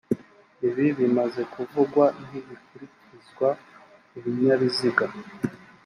ibi bimaze kuvugwa ntibikurikizwa ku binyabiziga